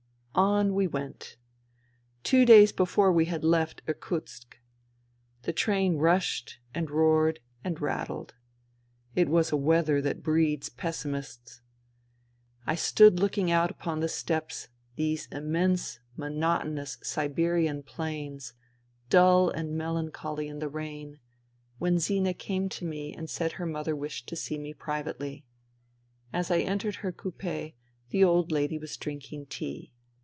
On we went. Two days before we had left Irkutsk. The train rushed and roared and rattled. It was a weather that breeds pessimists. I stood looking out upon the steppes, these immense, INTERVENING IN SIBERIA 153 monotonous Siberian plains, dull and melancLoly in the rain, when Zina came to me and said her mother wished to see me privately. As I entered her coupe the old lady was drinking tea.